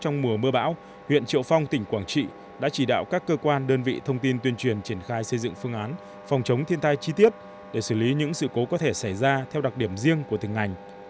trong mùa mưa bão huyện triệu phong tỉnh quảng trị đã chỉ đạo các cơ quan đơn vị thông tin tuyên truyền triển khai xây dựng phương án phòng chống thiên tai chi tiết để xử lý những sự cố có thể xảy ra theo đặc điểm riêng của từng ngành